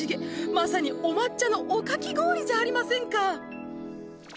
まさにお抹茶のおかき氷じゃありませんか。